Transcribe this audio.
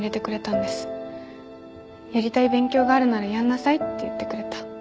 「やりたい勉強があるならやんなさい」って言ってくれた。